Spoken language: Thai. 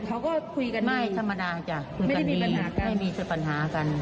เขาก็คุยกันไม่ธรรมดาจ้ะคุยกันมีปัญหากันไม่มีแต่ปัญหากัน